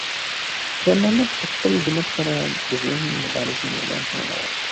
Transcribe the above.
خیر محمد په خپل همت سره د ژوند د مبارزې میدان ته ننووت.